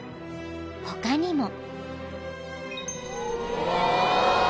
［他にも］